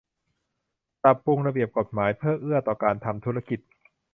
ปรับปรุงระเบียบกฎหมายเพื่อเอื้อต่อการทำธุรกิจ